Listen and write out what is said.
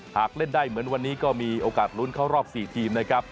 เล่นได้เหมือนวันนี้ก็มีโอกาสลุ้นเข้ารอบ๔ทีมนะครับ